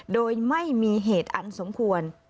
โดยไม่มีเหตุอันสมควร